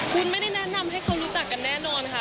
วุ้นไม่ได้แนะนำให้เขารู้จักกันแน่นอนค่ะ